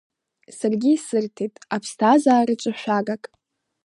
Саргьы исырҭеит аԥсҭазаараҿ шәагак…